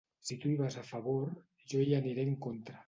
Si tu hi vas a favor, jo hi aniré en contra.